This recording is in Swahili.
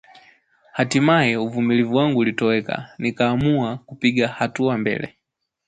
Hatimaye, uvimilivu wangu ulitoweka nikaamua kupiga hatua mbele